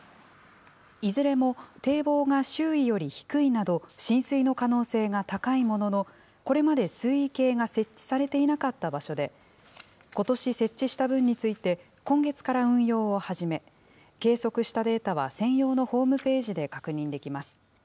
いずれも堤防が周囲より低いなど、浸水の可能性が高いものの、これまで水位計が設置されていなかった場所で、ことし設置した分について、今月から運用を始め、計測したデータは専用のホームページで確認できます。